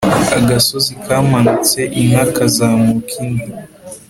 agasozi kamanutse inka kazamuka indi